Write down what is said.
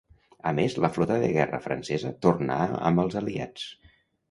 A més, la flota de guerra francesa tornà amb els aliats.